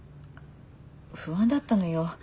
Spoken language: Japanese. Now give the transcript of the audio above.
不安だったのよ